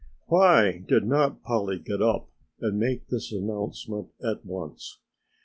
Why did not Polly get up and make this announcement at once?